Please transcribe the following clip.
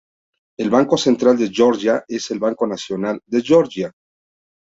El banco central de Georgia es el Banco Nacional de Georgia.